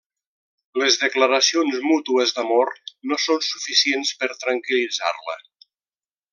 Les declaracions mútues d'amor no són suficients per tranquil·litzar-la.